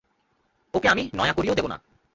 ওকে আমি নয়াকড়িও দেবো না।